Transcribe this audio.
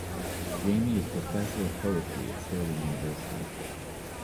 Jamie is Professor of Poetry at Stirling University.